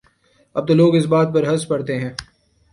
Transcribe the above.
اب تو لوگ اس بات پر ہنس پڑتے ہیں۔